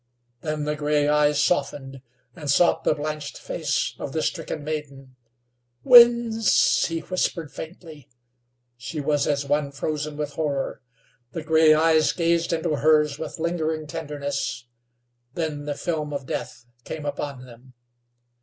Then the gray eyes softened, and sought the blanched face of the stricken maiden. "Winds," he whispered faintly. She was as one frozen with horror. The gray eyes gazed into hers with lingering tenderness; then the film of death came upon them.